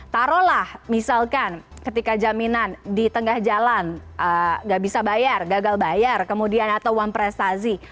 taruhlah misalkan ketika jaminan di tengah jalan nggak bisa bayar gagal bayar kemudian atau uang prestasi